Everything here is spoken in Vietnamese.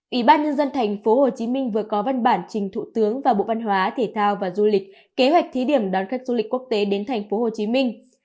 ủy ban nhân dân thành phố hồ chí minh vừa có văn bản trình thủ tướng và bộ văn hóa thể thao và du lịch kế hoạch thí điểm đón khách du lịch quốc tế đến thành phố hồ chí minh